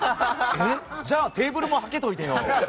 じゃあテーブルもはけといてよ。